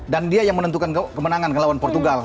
dan dia yang menentukan kemenangan ke lawan portugal